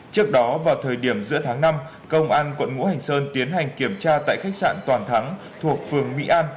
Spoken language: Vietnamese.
trước đó vào thời điểm giữa tháng năm công an quận ngũ hành sơn tiến hành kiểm tra tại khách sạn toàn thắng thuộc phường mỹ an